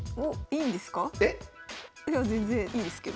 いや全然いいですけど。